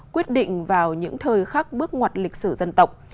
quyết định vào những thời khắc bước ngoặt lịch sử dân tộc